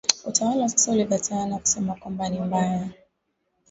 utawala wa sasa ulikataa na kusema kwamba ni mbaya